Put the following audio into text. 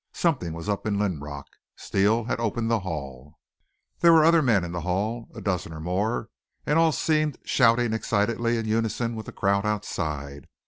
Something was up in Linrock. Steele had opened the hall. There were other men in the hall, a dozen or more, and all seemed shouting excitedly in unison with the crowd outside.